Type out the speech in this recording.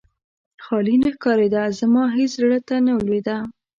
خالي نه ښکارېده، زما هېڅ زړه ته نه لوېده.